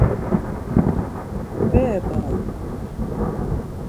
Bere bari.